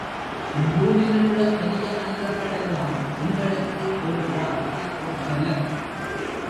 இவ்வூரிலுள்ள பெரிய மனிதர்களெல்லாம் எங்களுக்கு ஒரு பார்ட்டி கொடுத்தனர்.